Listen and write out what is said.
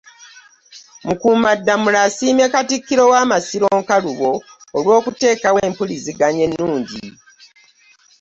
Mukuumaddamula asiimye Katikkiro w'Amasiro, Nkalubo, olw'okuteekawo empuliziganya ennungi